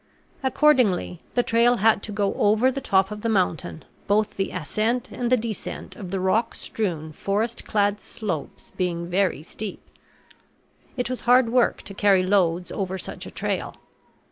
Accordingly the trail had to go over the top of the mountain, both the ascent and the descent of the rock strewn, forest clad slopes being very steep. It was hard work to carry loads over such a trail.